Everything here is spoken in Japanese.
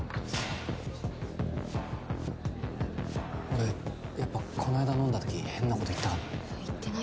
俺やっぱこの間飲んだ時変なこと言ったかな？